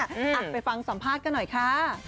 อ่ะไปฟังสัมภาษณ์กันหน่อยค่ะ